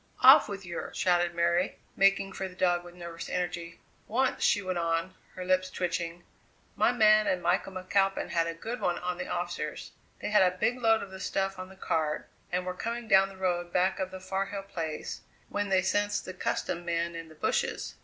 Off with yer!" shouted Mary, making for the dog with nervous energy. "Once," she went on, her lips twitching, "my man and Michael McAlpin had a good one on the officers. They had a big load of the stuff on the cart and were coming down the road back of the Far Hill Place when they sensed the custom men in the bushes.